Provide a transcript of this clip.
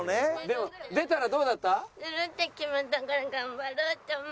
でも出たらどうだった？